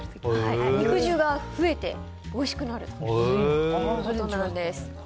肉汁が増えておいしくなるということですね。